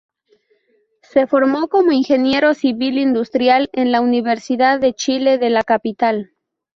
Se formó como ingeniero civil industrial en la Universidad de Chile de la capital.